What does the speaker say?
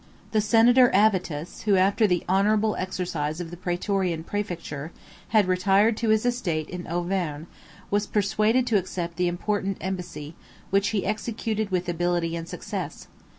The senator Avitus, who, after the honorable exercise of the Prætorian præfecture, had retired to his estate in Auvergne, was persuaded to accept the important embassy, which he executed with ability and success.